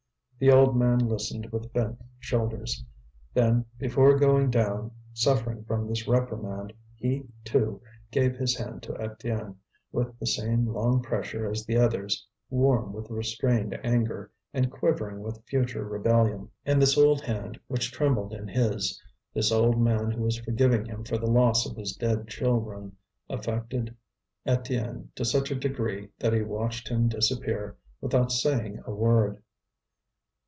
The old man listened with bent shoulders. Then, before going down, suffering from this reprimand, he, too, gave his hand to Étienne, with the same long pressure as the others, warm with restrained anger and quivering with future rebellion. And this old hand which trembled in his, this old man who was forgiving him for the loss of his dead children, affected Étienne to such a degree that he watched him disappear without saying a word.